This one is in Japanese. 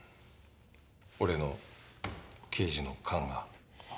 俺の刑事の勘が。